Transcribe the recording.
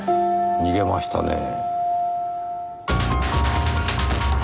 逃げましたねぇ。